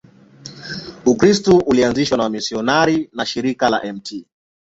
Ukristo ulianzishwa na wamisionari wa Shirika la Mt.